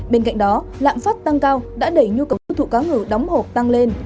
bên cạnh đó lạm phát tăng cao đã đẩy nhu cầu du thụ cá ngừ đóng hộp tăng lên